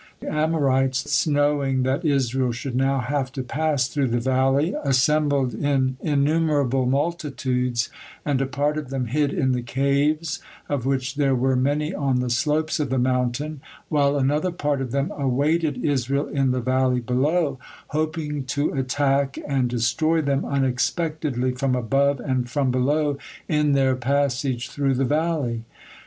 The Amorits, knowing that Israel should now have to pass through the valley, assembled in innumerable multitudes, and a part of them hid in the caves, of which there were many on the slopes of the mountain, while another part of them awaited Israel in the valley below, hoping to attack and destroy them unexpectedly from above and from below in their passage through the valley.